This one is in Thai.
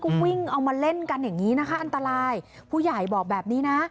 ก็วิ่งเอามาเล่นกันอย่างงี้นะคะอันตรายผู้ใหญ่บอกแบบนี้นะ